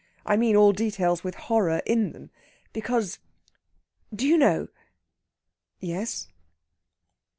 I mean all details with horror in them. Because, do you know?..." "Yes